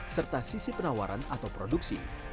serta sisi penawaran atau produksi